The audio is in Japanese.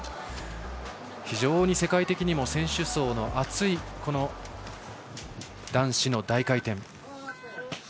非常に世界的にも選手層の厚い男子の大回転。